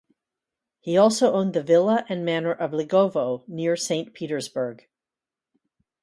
He also owned the villa and manor of Ligovo near Saint Petersburg.